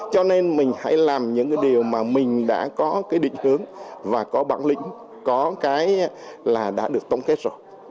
cho nên mình hãy làm những cái điều mà mình đã có cái định hướng và có bản lĩnh có cái là đã được tổng kết rồi